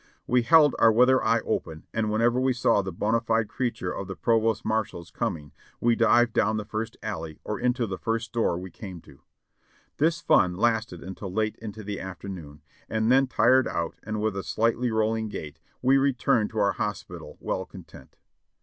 We held our weather eye open and whenever we saw the bona fide creature of the provost marshal's coming we dived down the first alley or into the first store we came to. This fun lasted until late into the af ternoon, and then tired out and with a slightly rolling gait, we returned to our hospital well content.